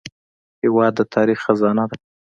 هېواد د تاریخ خزانه ده.